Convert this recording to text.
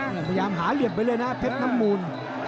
พยายามหาเหลี่ยมไปเลยนะเพชรน้ำมูล